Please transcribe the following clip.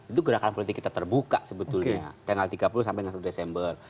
itu gerakan politik kita terbuka sebetulnya tanggal tiga puluh sampai satu desember